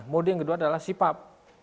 mode yang kedua adalah sipap